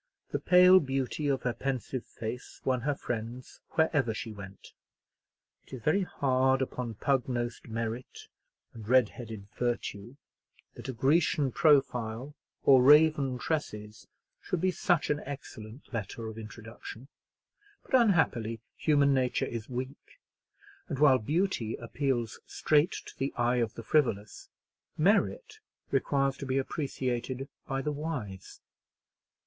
The pale beauty of her pensive face won her friends wherever she went. It is very hard upon pug nosed merit and red haired virtue, that a Grecian profile, or raven tresses, should be such an excellent letter of introduction; but, unhappily, human nature is weak; and while beauty appeals straight to the eye of the frivolous, merit requires to be appreciated by the wise.